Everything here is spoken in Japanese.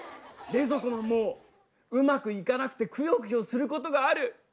冷蔵庫マンもうまくいかなくてくよくよすることがある。